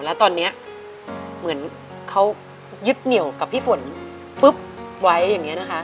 แล้วตอนนี้เขายึดเหนียวกับพี่ฝน